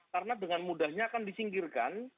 karena dengan mudahnya akan disingkirkan